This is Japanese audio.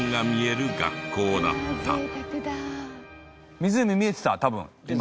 湖見えてた多分今。